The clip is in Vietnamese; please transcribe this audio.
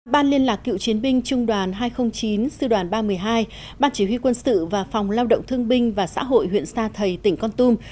ban liên lạc cựu chiến binh trung đoàn hai trăm linh chín sư đoàn ba trăm một mươi hai ban chỉ huy quân sự và phòng lao động thương binh và xã hội huyện sa thầy tỉnh con tum